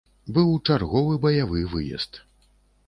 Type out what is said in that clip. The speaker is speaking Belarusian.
Быў чарговы баявы выезд.